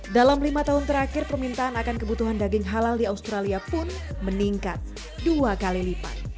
dalam lima tahun terakhir permintaan akan kebutuhan daging halal di australia pun meningkat dua kali lipat